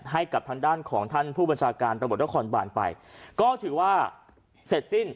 ให้กับทางด้านของท่านผู้บัญชาการตำรวจนครบานไปก็ถือว่าเสร็จสิ้น